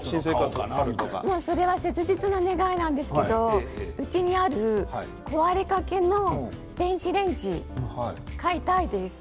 切実な願いなんですけどうちにある壊れかけの電子レンジ買いたいです。